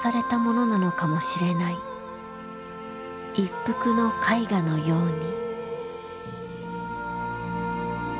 一幅の絵画のように。